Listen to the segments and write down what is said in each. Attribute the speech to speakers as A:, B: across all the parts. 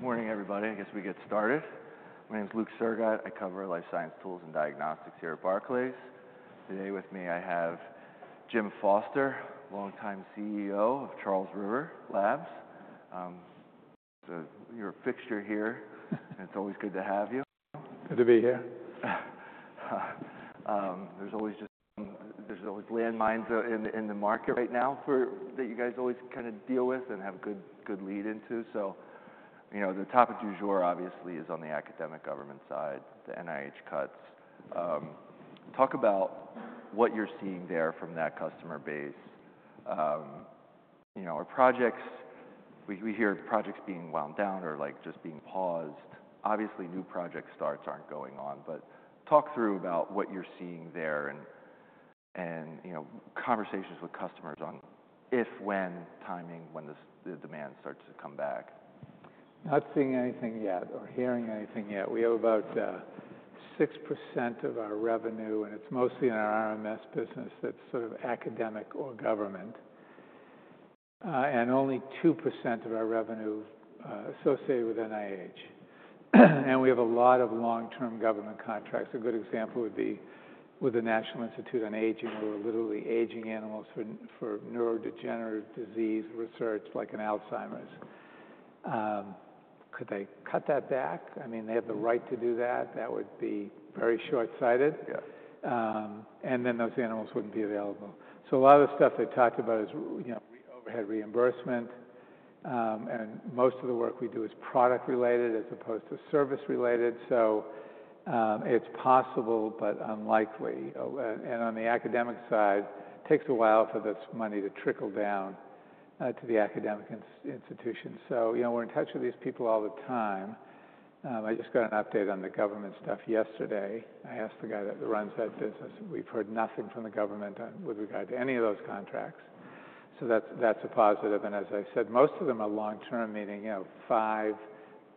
A: Good morning, everybody. I guess we get started. My name's Luke Sergott. I cover life science tools and diagnostics here at Barclays. Today with me, I have Jim Foster, longtime CEO of Charles River Laboratories. You're a fixture here, and it's always good to have you.
B: Good to be here.
A: There are always landmines in the market right now that you guys always kind of deal with and have good lead into. The topic du jour, obviously, is on the academic government side, the NIH cuts. Talk about what you're seeing there from that customer base. We hear projects being wound down or just being paused. Obviously, new project starts aren't going on, but talk through about what you're seeing there and conversations with customers on if, when, timing, when the demand starts to come back.
B: Not seeing anything yet or hearing anything yet. We have about 6% of our revenue, and it's mostly in our RMS business that's sort of academic or government, and only 2% of our revenue associated with NIH. We have a lot of long-term government contracts. A good example would be with the National Institute on Aging, where we're literally aging animals for neurodegenerative disease research, like Alzheimer's. Could they cut that back? I mean, they have the right to do that. That would be very short-sighted. Those animals wouldn't be available. A lot of the stuff they talked about is overhead reimbursement, and most of the work we do is product-related as opposed to service-related. It's possible, but unlikely. On the academic side, it takes a while for this money to trickle down to the academic institutions. We're in touch with these people all the time. I just got an update on the government stuff yesterday. I asked the guy that runs that business. We've heard nothing from the government with regard to any of those contracts. That's a positive. As I said, most of them are long-term, meaning five.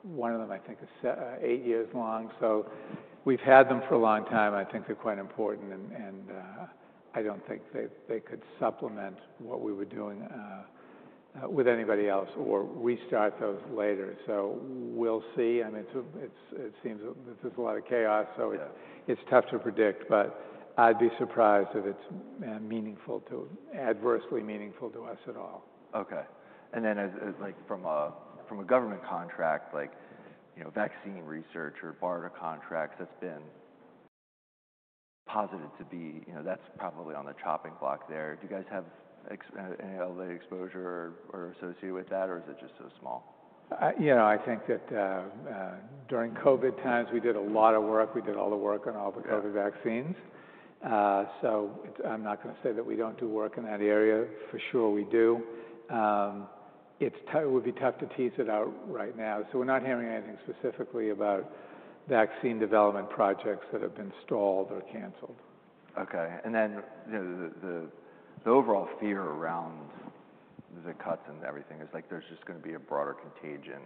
B: One of them, I think, is eight years long. We've had them for a long time. I think they're quite important, and I don't think they could supplement what we were doing with anybody else or restart those later. We'll see. I mean, it seems that there's a lot of chaos, so it's tough to predict, but I'd be surprised if it's meaningful to adversely meaningful to us at all.
A: Okay. From a government contract, like vaccine research or BARDA contracts, that's been posited to be that's probably on the chopping block there. Do you guys have any exposure associated with that, or is it just so small?
B: I think that during COVID times, we did a lot of work. We did all the work on all the COVID vaccines. I am not going to say that we do not do work in that area. For sure, we do. It would be tough to tease it out right now. We are not hearing anything specifically about vaccine development projects that have been stalled or canceled.
A: Okay. The overall fear around the cuts and everything is like there's just going to be a broader contagion.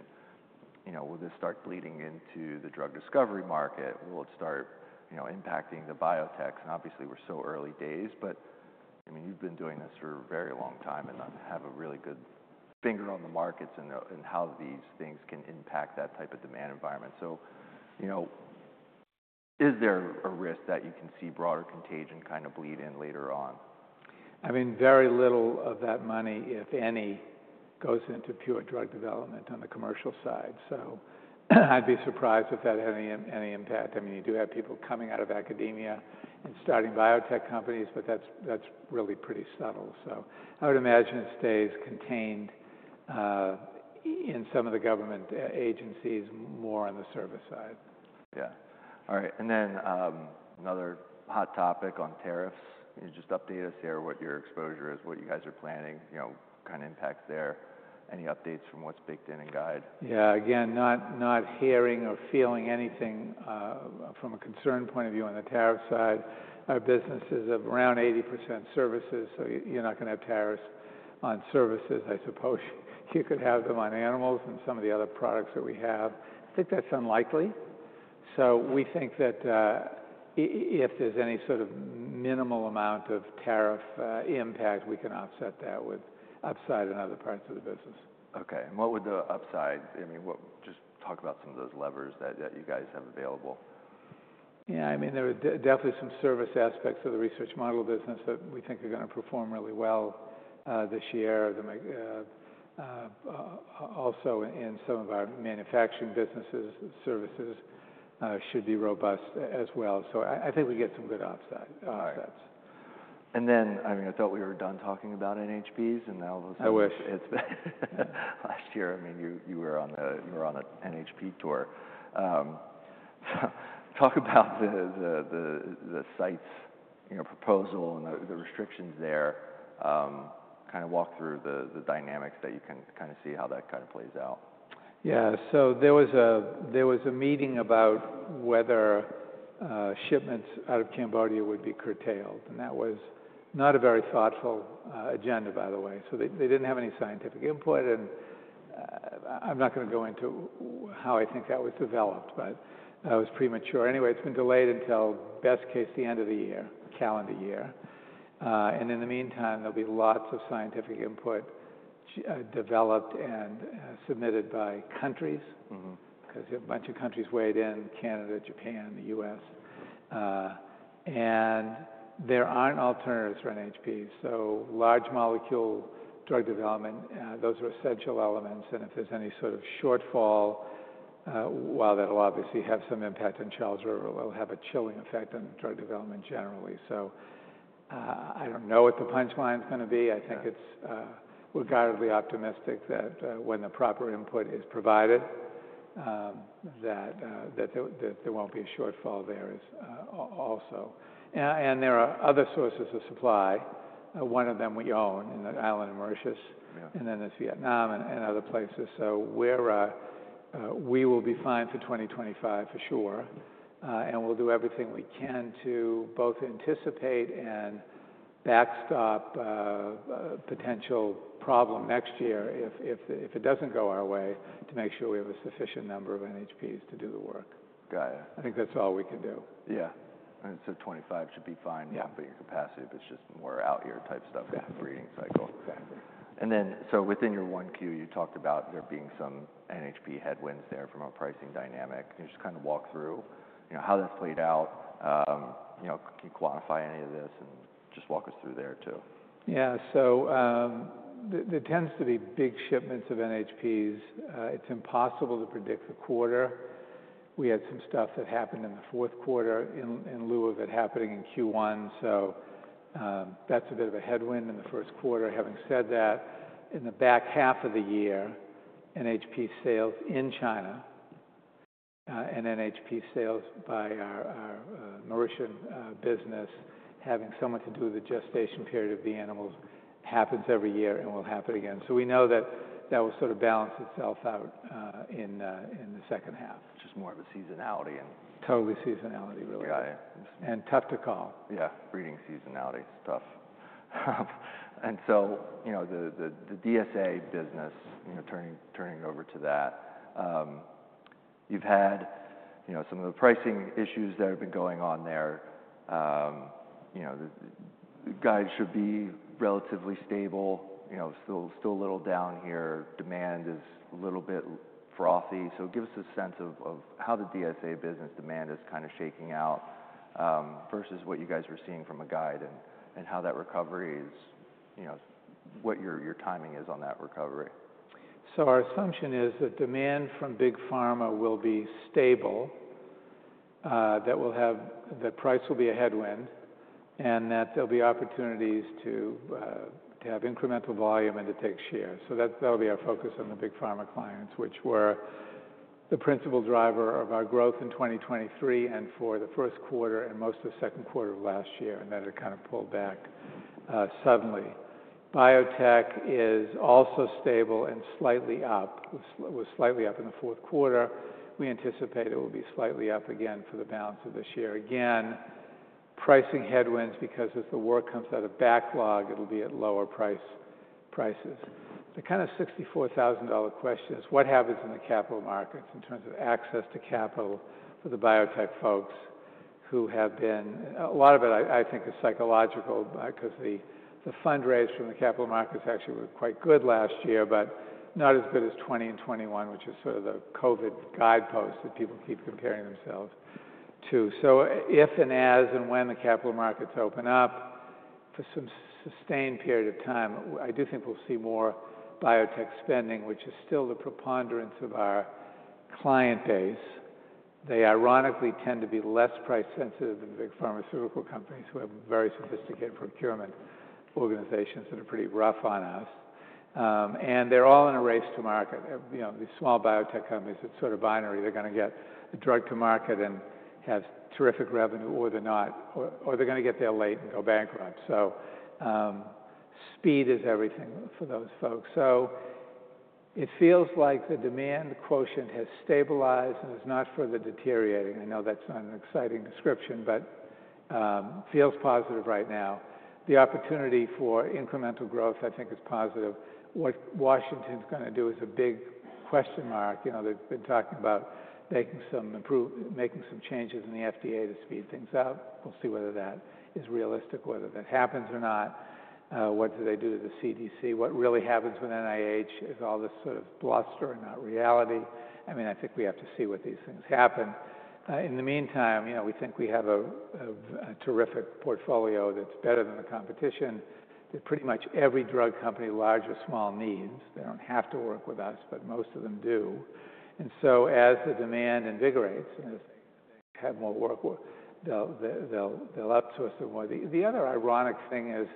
A: Will this start bleeding into the drug discovery market? Will it start impacting the biotechs? Obviously, we're so early days, but I mean, you've been doing this for a very long time and have a really good finger on the markets and how these things can impact that type of demand environment. Is there a risk that you can see broader contagion kind of bleed in later on?
B: I mean, very little of that money, if any, goes into pure drug development on the commercial side. I'd be surprised if that had any impact. I mean, you do have people coming out of academia and starting biotech companies, but that's really pretty subtle. I would imagine it stays contained in some of the government agencies, more on the service side.
A: Yeah. All right. Another hot topic on tariffs. Just update us here what your exposure is, what you guys are planning, kind of impact there. Any updates from what's baked in in guide?
B: Yeah. Again, not hearing or feeling anything from a concern point of view on the tariff side. Our business is around 80% services, so you're not going to have tariffs on services. I suppose you could have them on animals and some of the other products that we have. I think that's unlikely. We think that if there's any sort of minimal amount of tariff impact, we can offset that with upside in other parts of the business.
A: Okay. What would the upside? I mean, just talk about some of those levers that you guys have available.
B: Yeah. I mean, there are definitely some service aspects of the research model business that we think are going to perform really well this year. Also, in some of our manufacturing businesses, services should be robust as well. I think we get some good offsets. All right.
A: I mean, I thought we were done talking about NHPs, and now.
B: I wish.
A: Last year, I mean, you were on an NHP tour. Talk about the CITES proposal and the restrictions there. Kind of walk through the dynamics that you can kind of see how that kind of plays out.
B: Yeah. There was a meeting about whether shipments out of Cambodia would be curtailed, and that was not a very thoughtful agenda, by the way. They did not have any scientific input, and I'm not going to go into how I think that was developed, but that was premature. Anyway, it has been delayed until, best case, the end of the year, calendar year. In the meantime, there will be lots of scientific input developed and submitted by countries because a bunch of countries weighed in: Canada, Japan, the U.S. There are not alternatives for NHPs. Large molecule drug development, those are essential elements. If there is any sort of shortfall, that will obviously have some impact on Charles River, it will have a chilling effect on drug development generally. I do not know what the punchline is going to be. I think it's regardedly optimistic that when the proper input is provided, that there won't be a shortfall there also. There are other sources of supply. One of them we own in the island of Mauritius, and then there's Vietnam and other places. We will be fine for 2025 for sure, and we'll do everything we can to both anticipate and backstop a potential problem next year if it doesn't go our way to make sure we have a sufficient number of NHPs to do the work. I think that's all we can do.
A: Yeah. 2025 should be fine for your capacity if it's just more out here type stuff, breeding cycle.
B: Exactly.
A: Within your 1Q, you talked about there being some NHP headwinds there from a pricing dynamic. Can you just kind of walk through how that's played out? Can you quantify any of this and just walk us through there too?
B: Yeah. There tends to be big shipments of NHPs. It's impossible to predict the quarter. We had some stuff that happened in the fourth quarter in lieu of it happening in Q1. That's a bit of a headwind in the first quarter. Having said that, in the back half of the year, NHP sales in China and NHP sales by our Mauritian business, having so much to do with the gestation period of the animals, happens every year and will happen again. We know that that will sort of balance itself out in the second half.
A: Just more of a seasonality.
B: Totally seasonality, really. Tough to call.
A: Yeah. Breeding seasonality stuff. The DSA business, turning it over to that, you've had some of the pricing issues that have been going on there. The guide should be relatively stable. Still a little down here. Demand is a little bit frothy. Give us a sense of how the DSA business demand is kind of shaking out versus what you guys were seeing from a guide and how that recovery is, what your timing is on that recovery.
B: Our assumption is that demand from big pharma will be stable, that the price will be a headwind, and that there'll be opportunities to have incremental volume and to take share. That'll be our focus on the big pharma clients, which were the principal driver of our growth in 2023 and for the first quarter and most of the second quarter of last year, and then it kind of pulled back suddenly. Biotech is also stable and slightly up. It was slightly up in the fourth quarter. We anticipate it will be slightly up again for the balance of this year. Again, pricing headwinds because as the work comes out of backlog, it'll be at lower prices. The kind of $64,000 question is what happens in the capital markets in terms of access to capital for the biotech folks who have been a lot of it, I think, is psychological because the fundraise from the capital markets actually were quite good last year, but not as good as 2020 and 2021, which is sort of the COVID guidepost that people keep comparing themselves to. If and as and when the capital markets open up for some sustained period of time, I do think we'll see more biotech spending, which is still the preponderance of our client base. They ironically tend to be less price sensitive than big pharmaceutical companies who have very sophisticated procurement organizations that are pretty rough on us. They are all in a race to market. These small biotech companies, it's sort of binary. They're going to get the drug to market and have terrific revenue or they're not, or they're going to get there late and go bankrupt. Speed is everything for those folks. It feels like the demand quotient has stabilized and is not further deteriorating. I know that's not an exciting description, but feels positive right now. The opportunity for incremental growth, I think, is positive. What Washington's going to do is a big question mark. They've been talking about making some changes in the FDA to speed things up. We'll see whether that is realistic, whether that happens or not. What do they do to the CDC? What really happens with NIH is all this sort of bluster and not reality. I mean, I think we have to see what these things happen. In the meantime, we think we have a terrific portfolio that's better than the competition that pretty much every drug company, large or small, needs. They don't have to work with us, but most of them do. As the demand invigorates and as they have more work, they'll outsource them more. The other ironic thing is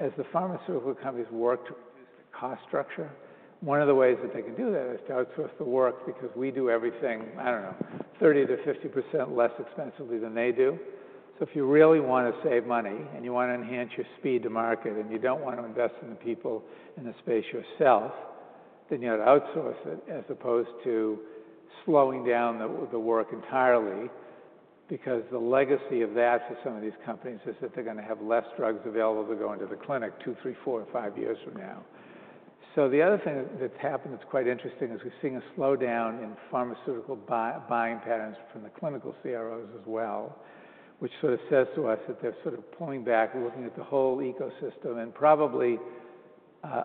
B: as the pharmaceutical companies work to reduce the cost structure, one of the ways that they can do that is to outsource the work because we do everything, I don't know, 30%-50% less expensively than they do. If you really want to save money and you want to enhance your speed to market and you don't want to invest in the people in the space yourself, then you have to outsource it as opposed to slowing down the work entirely because the legacy of that for some of these companies is that they're going to have less drugs available to go into the clinic two, three, four, five years from now. The other thing that's happened that's quite interesting is we're seeing a slowdown in pharmaceutical buying patterns from the clinical CROs as well, which sort of says to us that they're sort of pulling back, looking at the whole ecosystem and probably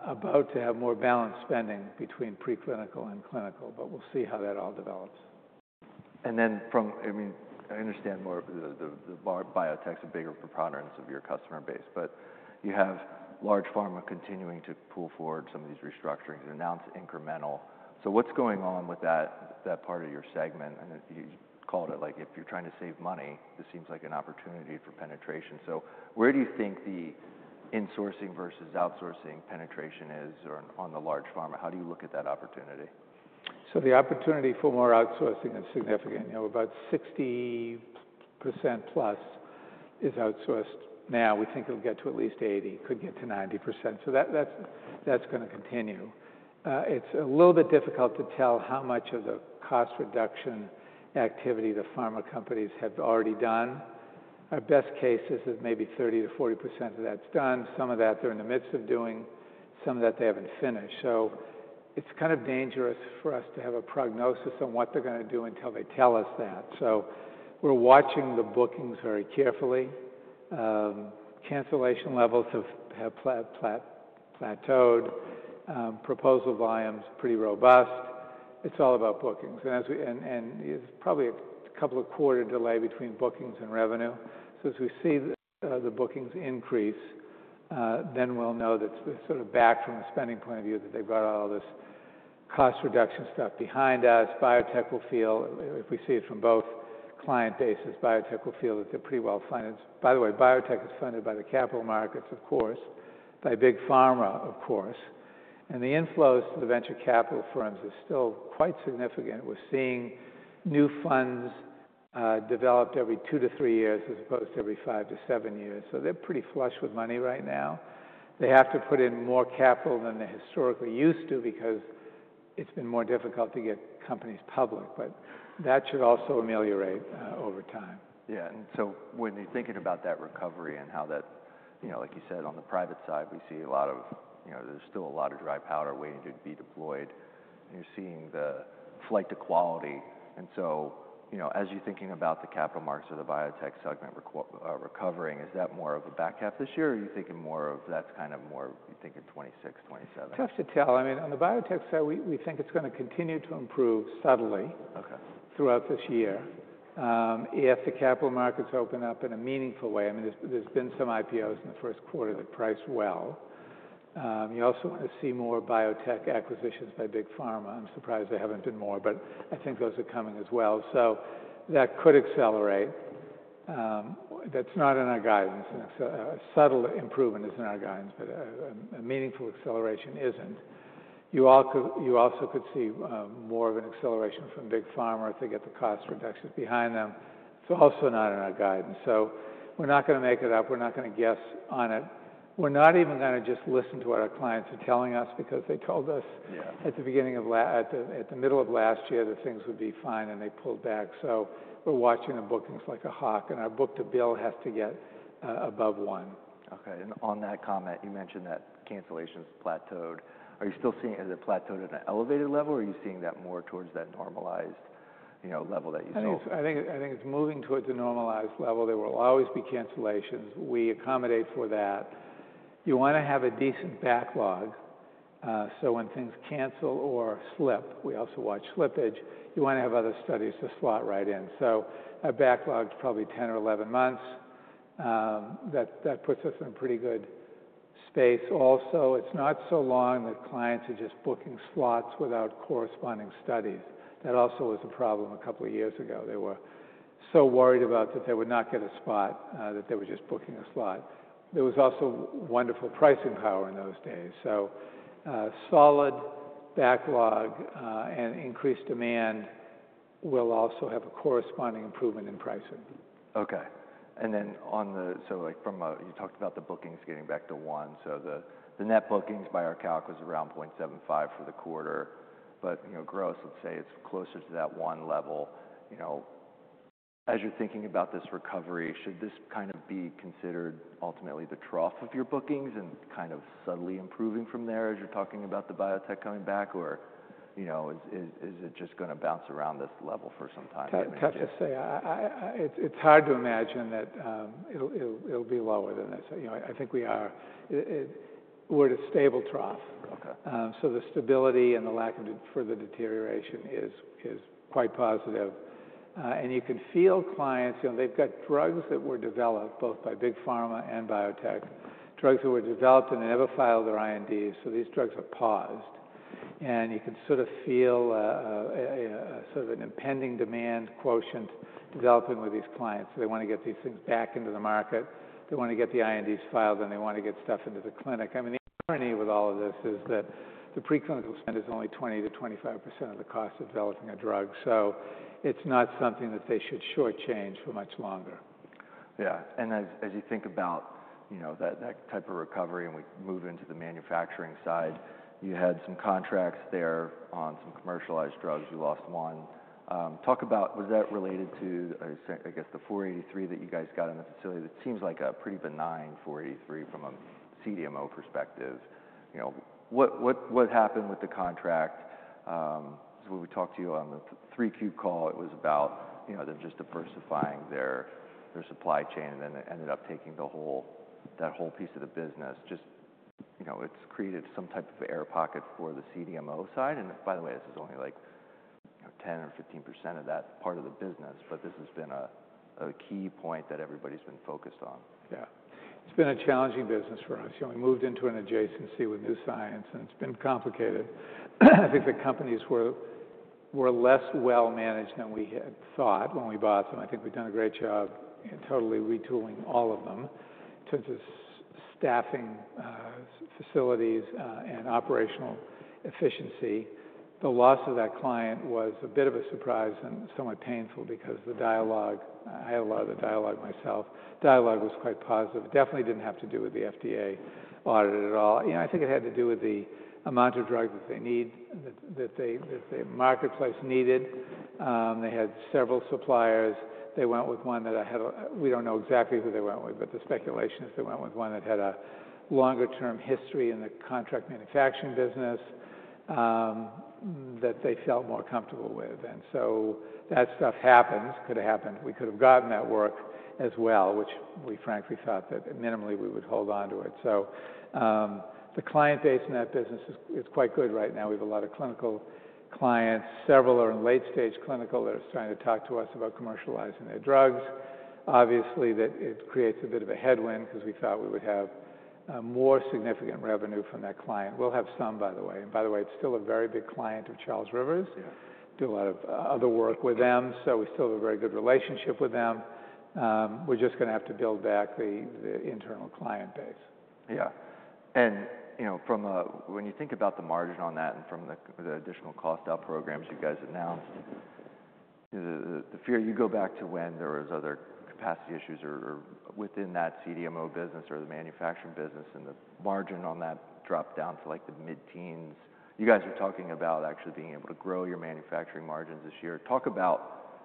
B: about to have more balanced spending between preclinical and clinical, but we'll see how that all develops.
A: I mean, I understand more of the biotechs are bigger proponents of your customer base, but you have large pharma continuing to pull forward some of these restructurings and announce incremental. What's going on with that part of your segment? You called it like if you're trying to save money, this seems like an opportunity for penetration. Where do you think the insourcing versus outsourcing penetration is on the large pharma? How do you look at that opportunity?
B: The opportunity for more outsourcing is significant. About 60%+ is outsourced. Now, we think it'll get to at least 80%, could get to 90%. That is going to continue. It's a little bit difficult to tell how much of the cost reduction activity the pharma companies have already done. Our best case is that maybe 30%-40% of that is done. Some of that they are in the midst of doing. Some of that they have not finished. It is kind of dangerous for us to have a prognosis on what they are going to do until they tell us that. We are watching the bookings very carefully. Cancellation levels have plateaued. Proposal volume is pretty robust. It is all about bookings. There is probably a couple of quarter delay between bookings and revenue. As we see the bookings increase, then we'll know that we're sort of back from a spending point of view, that they've got all this cost reduction stuff behind us. Biotech will feel, if we see it from both client bases, biotech will feel that they're pretty well funded. By the way, biotech is funded by the capital markets, of course, by big pharma, of course. The inflows to the venture capital firms are still quite significant. We're seeing new funds developed every two to three years as opposed to every five to seven years. They're pretty flush with money right now. They have to put in more capital than they historically used to because it's been more difficult to get companies public, but that should also ameliorate over time.
A: Yeah. When you're thinking about that recovery and how that, like you said, on the private side, we see a lot of there's still a lot of dry powder waiting to be deployed. You're seeing the flight to quality. As you're thinking about the capital markets or the biotech segment recovering, is that more of a back half this year or are you thinking more of that's kind of more you think in 2026, 2027?
B: Tough to tell. I mean, on the biotech side, we think it's going to continue to improve subtly throughout this year if the capital markets open up in a meaningful way. I mean, there's been some IPOs in the first quarter that priced well. You also want to see more biotech acquisitions by big pharma. I'm surprised there haven't been more, but I think those are coming as well. That could accelerate. That's not in our guidance. A subtle improvement is in our guidance, but a meaningful acceleration isn't. You also could see more of an acceleration from big pharma if they get the cost reductions behind them. It's also not in our guidance. We're not going to make it up. We're not going to guess on it. We're not even going to just listen to what our clients are telling us because they told us at the beginning of last, at the middle of last year, that things would be fine and they pulled back. We're watching the bookings like a hawk, and our book-to-bill has to get above one.
A: Okay. On that comment, you mentioned that cancellations plateaued. Are you still seeing it plateaued at an elevated level or are you seeing that more towards that normalized level that you saw?
B: I think it's moving towards a normalized level. There will always be cancellations. We accommodate for that. You want to have a decent backlog. When things cancel or slip, we also watch slippage. You want to have other studies to slot right in. A backlog of probably 10 months or 11 months, that puts us in a pretty good space. Also, it's not so long that clients are just booking slots without corresponding studies. That also was a problem a couple of years ago. They were so worried about that they would not get a spot that they were just booking a slot. There was also wonderful pricing power in those days. Solid backlog and increased demand will also have a corresponding improvement in pricing.
A: Okay. On the, you talked about the bookings getting back to one. The net bookings by our calc was around 0.75 for the quarter, but gross, let's say it's closer to that one level. As you're thinking about this recovery, should this kind of be considered ultimately the trough of your bookings and kind of subtly improving from there as you're talking about the biotech coming back, or is it just going to bounce around this level for some time?
B: Tough to say. It's hard to imagine that it'll be lower than this. I think we are. We're at a stable trough. The stability and the lack of further deterioration is quite positive. You can feel clients, they've got drugs that were developed both by big pharma and biotech, drugs that were developed and they never filed their INDs. These drugs are paused. You can sort of feel sort of an impending demand quotient developing with these clients. They want to get these things back into the market. They want to get the INDs filed and they want to get stuff into the clinic. I mean, the irony with all of this is that the preclinical spend is only 20%-25% of the cost of developing a drug. It's not something that they should shortchange for much longer.
A: Yeah. As you think about that type of recovery and we move into the manufacturing side, you had some contracts there on some commercialized drugs. You lost one. Talk about, was that related to, I guess, the 483 that you guys got in the facility? It seems like a pretty benign 483 from a CDMO perspective. What happened with the contract? When we talked to you on the 3Q call, it was about they're just diversifying their supply chain and then ended up taking that whole piece of the business. It has created some type of air pocket for the CDMO side. By the way, this is only like 10% or 15% of that part of the business, but this has been a key point that everybody's been focused on.
B: Yeah. It's been a challenging business for us. We moved into an adjacency with new science and it's been complicated. I think the companies were less well managed than we had thought when we bought them. I think we've done a great job in totally retooling all of them in terms of staffing, facilities, and operational efficiency. The loss of that client was a bit of a surprise and somewhat painful because the dialogue, I had a lot of the dialogue myself. Dialogue was quite positive. Definitely didn't have to do with the FDA audit at all. I think it had to do with the amount of drug that they need, that the marketplace needed. They had several suppliers. They went with one that I had a, we do not know exactly who they went with, but the speculation is they went with one that had a longer-term history in the contract manufacturing business that they felt more comfortable with. That stuff happens, could have happened. We could have gotten that work as well, which we frankly thought that minimally we would hold on to it. The client base in that business is quite good right now. We have a lot of clinical clients. Several are in late-stage clinical that are trying to talk to us about commercializing their drugs. Obviously, that creates a bit of a headwind because we thought we would have more significant revenue from that client. We will have some, by the way. By the way, it is still a very big client of Charles River. Do a lot of other work with them. We still have a very good relationship with them. We're just going to have to build back the internal client base.
A: Yeah. When you think about the margin on that and from the additional cost-out programs you guys announced, the fear you go back to when there were other capacity issues or within that CDMO business or the manufacturing business and the margin on that dropped down to like the mid-teens. You guys are talking about actually being able to grow your manufacturing margins this year. Talk about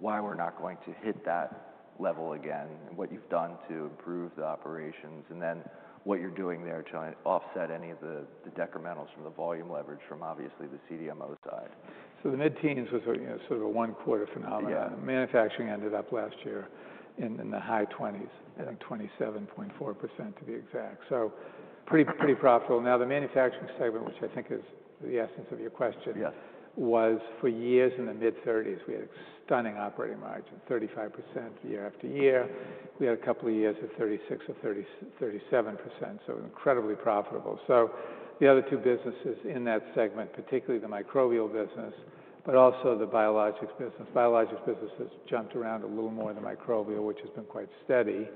A: why we're not going to hit that level again and what you've done to improve the operations and then what you're doing there to offset any of the detrimentals from the volume leverage from obviously the CDMO side.
B: The mid-teens was sort of a one-quarter phenomenon. Manufacturing ended up last year in the high 20s, I think 27.4% to be exact. Pretty profitable. The manufacturing segment, which I think is the essence of your question, was for years in the mid-30s, we had stunning operating margins, 35% year after year. We had a couple of years of 36% or 37%. Incredibly profitable. The other two businesses in that segment, particularly the microbial business, but also the biologics business, biologics business has jumped around a little more than microbial, which has been quite steady.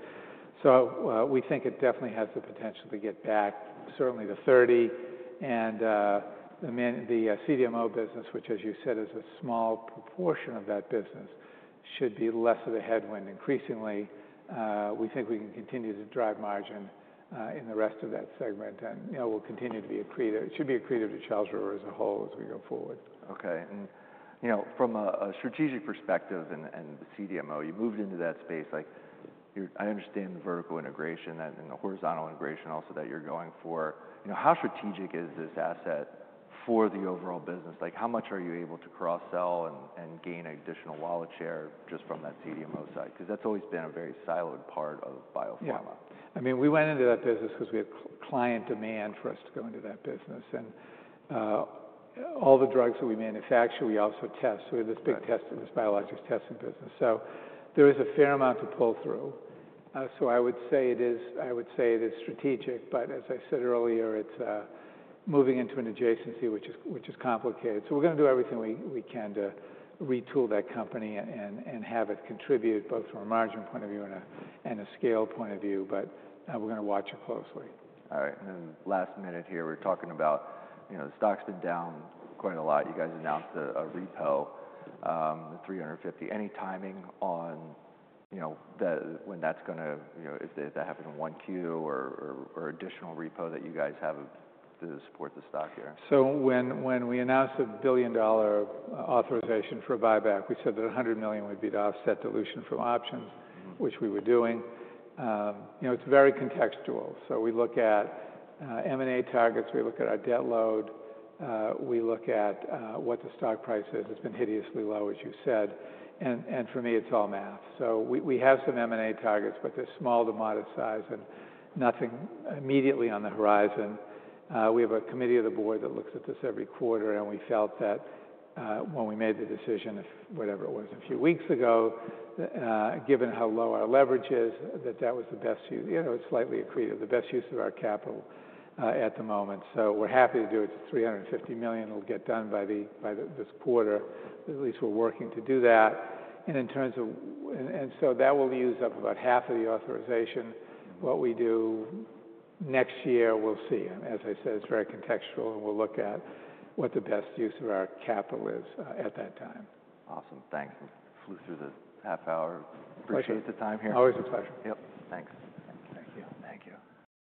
B: We think it definitely has the potential to get back certainly to 30%. The CDMO business, which as you said is a small proportion of that business, should be less of a headwind increasingly. We think we can continue to drive margin in the rest of that segment. We will continue to be accredited. It should be accredited to Charles River as a whole as we go forward.
A: Okay. From a strategic perspective and the CDMO, you moved into that space. I understand the vertical integration and the horizontal integration also that you're going for. How strategic is this asset for the overall business? How much are you able to cross-sell and gain additional wallet share just from that CDMO side? Because that's always been a very siloed part of biopharma.
B: Yeah. I mean, we went into that business because we had client demand for us to go into that business. And all the drugs that we manufacture, we also test. We have this big testing, this biologics testing business. There is a fair amount to pull through. I would say it is, I would say it is strategic, but as I said earlier, it is moving into an adjacency, which is complicated. We are going to do everything we can to retool that company and have it contribute both from a margin point of view and a scale point of view, but we are going to watch it closely.
A: All right. Last minute here, we're talking about the stock's been down quite a lot. You guys announced a repo, the $350 million. Any timing on when that's going to, if that happens in 1Q or additional repo that you guys have to support the stock here?
B: When we announced $1 billion-dollar authorization for buyback, we said that $100 million would be to offset dilution from options, which we were doing. It's very contextual. We look at M&A targets, we look at our debt load, we look at what the stock price is. It's been hideously low, as you said. For me, it's all math. We have some M&A targets, but they're small to modest size and nothing immediately on the horizon. We have a committee of the board that looks at this every quarter, and we felt that when we made the decision, whatever it was a few weeks ago, given how low our leverage is, that that was the best, it's slightly accredited, the best use of our capital at the moment. We're happy to do it to $350 million. It'll get done by this quarter. At least we're working to do that. In terms of, and so that will use up about half of the authorization. What we do next year, we'll see. As I said, it's very contextual and we'll look at what the best use of our capital is at that time.
A: Awesome. Thanks. We flew through the half hour. Appreciate the time here.
B: Always a pleasure.
A: Yep. Thanks.
B: Thank you.
A: Thank you.